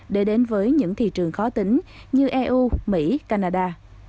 để đến với những thị trường khó tính như eu mỹ canada